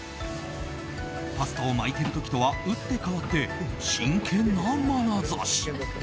パスタを巻いてる時とは打って変わって真剣なまなざし。